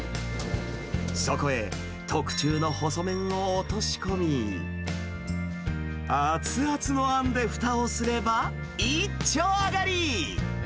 そこへ、特注の細麺を落とし込み、熱々のあんでふたをすれば、一丁上がり。